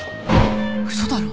嘘だろ。